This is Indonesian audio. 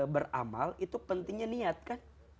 beramal itu pentingnya niat kan